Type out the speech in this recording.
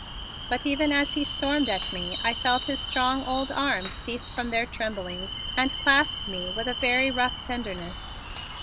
But even as he stormed at me I felt his strong old arms cease from their tremblings and clasp me with a very rough tenderness.